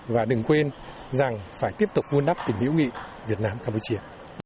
và đừng quên rằng phải tiếp tục nguồn đắp tỉnh hữu nghị việt nam campuchia